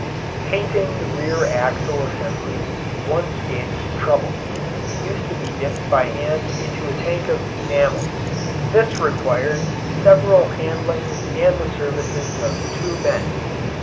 Painting the rear axle assembly once gave some trouble. It used to be dipped by hand into a tank of enamel. This required several handlings and the services of two men.